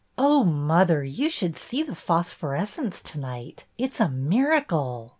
"Oh, mother, you should see the phosphorescence to night. It 's a miracle !